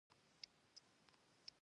خو موټر پر خپل هماغه پخواني بڼه ولاړ و.